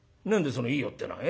その『いいよ』ってのは。